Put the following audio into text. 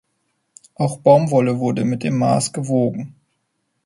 Auch Baumwolle wurde mit dem Maß gewogen.